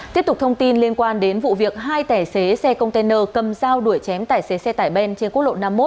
tiếp tục thông tin liên quan đến vụ việc hai tài xế xe container cầm dao đuổi chém tài xế xe tải ben trên quốc lộ năm mươi một